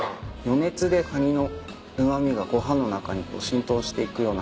余熱でカニのうま味がご飯の中に浸透していくような感じで。